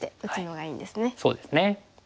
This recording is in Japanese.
そうですね。